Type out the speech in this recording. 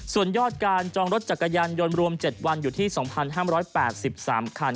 ส่วนยอดการจองรถจักรยานยนต์รวม๗วันอยู่ที่๒๕๘๓คัน